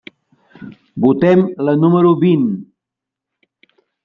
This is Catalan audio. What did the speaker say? Votem la número vint.